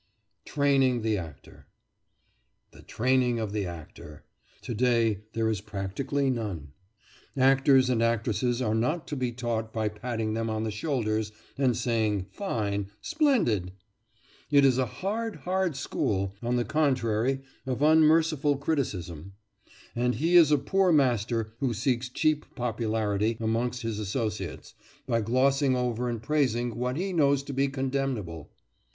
TRAINING THE ACTOR The training of the actor! To day there is practically none. Actors and actresses are not to be taught by patting them on the shoulders and saying, "Fine! Splendid!" It is a hard, hard school, on the contrary, of unmerciful criticism. And he is a poor master who seeks cheap popularity amongst his associates by glossing over and praising what he knows to be condemnable.